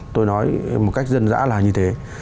tôi nói một cách dân dã là như thế